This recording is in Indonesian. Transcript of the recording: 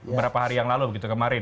beberapa hari yang lalu begitu kemarin